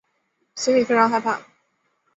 心里非常害怕